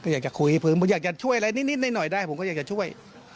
อยากจะช่วยอะไรนิดหน่อยได้ผมก็อยากจะช่วย